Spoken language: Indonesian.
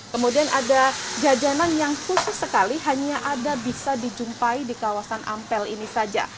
kemudian ada jajanan yang khusus sekali hanya ada bisa dijumpai di kawasan ampel ini saja